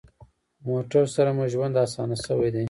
موټر سره مو ژوند اسانه شوی دی.